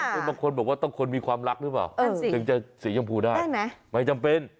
คือบางคนบอกว่าต้องคนมีความรักหรือเปล่าถึงจะสีชมพูได้ไม่จำเป็น